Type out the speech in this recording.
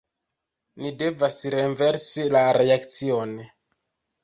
Ni devas renversi la reakcion!